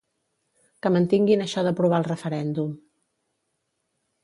Que mantinguin això de provar el referèndum.